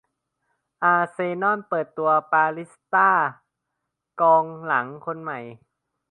อาร์เซน่อลเปิดตัว "เปาลิสต้า" กองหลังคนใหม่